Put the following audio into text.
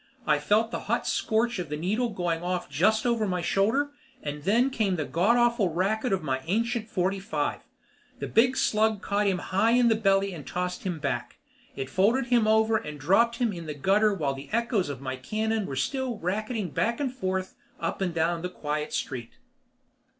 I felt the hot scorch of the needle going off just over my shoulder, and then came the godawful racket of my ancient forty five. The big slug caught him high in the belly and tossed him back. It folded him over and dropped him in the gutter while the echoes of my cannon were still racketing back and forth up and down the quiet street.